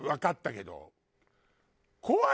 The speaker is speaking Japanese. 怖い。